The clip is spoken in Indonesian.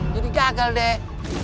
jadi gagal deh